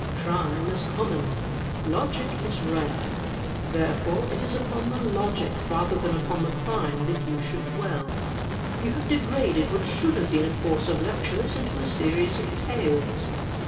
Crime is common. Logic is rare. Therefore it is upon the logic rather than upon the crime that you should dwell. You have degraded what should have been a cotirse of lectures into a series of tales."